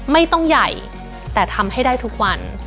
ไม่ต้องใหญ่แต่ทำให้ได้ทุกวัน